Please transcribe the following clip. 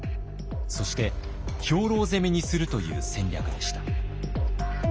そして兵糧攻めにするという戦略でした。